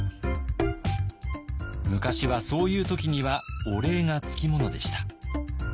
昔はそういう時にはお礼が付き物でした。